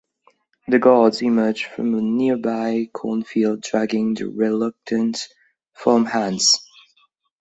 The guards emerge from a nearby cornfield dragging the reluctant farmhands.